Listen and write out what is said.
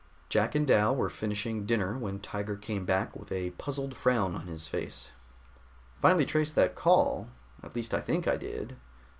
Jack and Dal were finishing dinner when Tiger came back with a puzzled frown on his face. "Finally traced that call. At least I think I did.